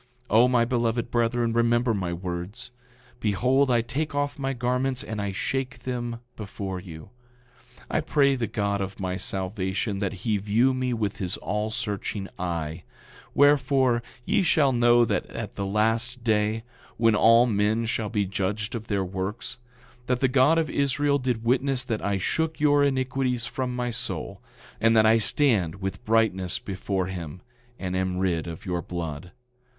9:44 O, my beloved brethren, remember my words. Behold, I take off my garments, and I shake them before you; I pray the God of my salvation that he view me with his all searching eye; wherefore, ye shall know at the last day, when all men shall be judged of their works, that the God of Israel did witness that I shook your iniquities from my soul, and that I stand with brightness before him, and am rid of your blood.